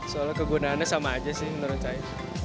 soal kegunaannya sama aja sih menurut saya